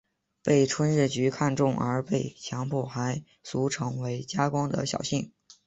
被春日局看中而被强迫还俗成为家光的小姓。